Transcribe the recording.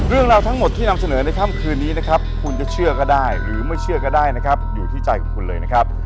เรื่องราวทั้งหมดที่นำเสนอในค่ำคืนนี้นะครับคุณจะเชื่อก็ได้หรือไม่เชื่อก็ได้นะครับอยู่ที่ใจของคุณเลยนะครับ